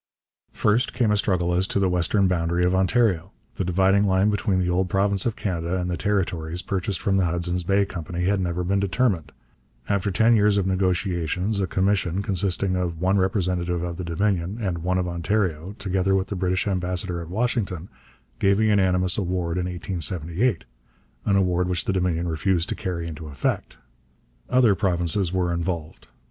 First came a struggle as to the western boundary of Ontario. The dividing line between the old province of Canada and the territories purchased from the Hudson's Bay Company had never been determined After ten years of negotiations a commission, consisting of one representative of the Dominion and one of Ontario together with the British ambassador at Washington, gave a unanimous award in 1878, an award which the Dominion refused to carry into effect. Other provinces were involved.